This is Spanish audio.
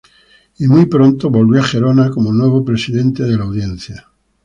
Y muy pronto volvió a Gerona, como nuevo presidente de la Audiencia.